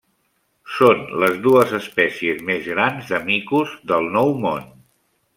Són les dues espècies més grans de micos del Nou Món.